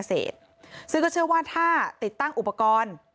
ซึ่งก็เชื่อว่าถ้าติดตั้งอุปกรณ์